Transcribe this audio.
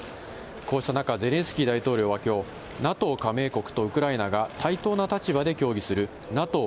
こうした中、ゼレンスキー大統領はきょう、ＮＡＴＯ加盟国とウクライナが対等な立場で協議するＮＡＴＯ